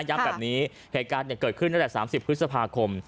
ย้ำแบบนี้แผงการเนี้ยเกิดขึ้นตั้งแต่สามสิบพฤษภาคม